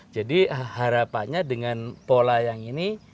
jadi harapannya dengan pola yang ini